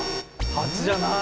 蜂じゃない？